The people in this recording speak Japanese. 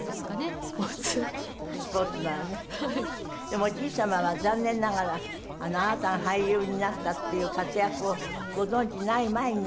でもおじい様は残念ながらあなたが俳優になったっていう活躍をご存じになる前に亡くなったんですって？